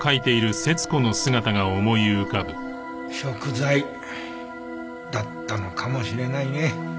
贖罪だったのかもしれないね。